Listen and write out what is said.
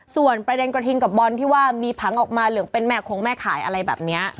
ส่วนประเด็นกระทิงกับบอลที่ว่ามีผังออกมาเหลืองเป็นแม่คงแม่ขายอะไรแบบนี้